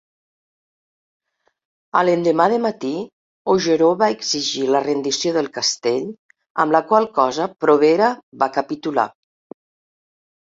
A l'endemà de matí, Augereau va exigir la rendició del castell, amb la qual cosa Provera va capitular.